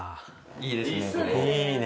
いいですね。